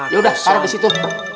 ya udah parah disitu